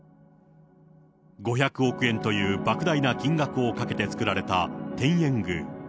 ５００億円というばく大な金額をかけて作られた天苑宮。